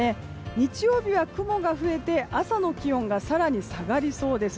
日曜日は雲が増えて朝の気温が更に下がりそうです。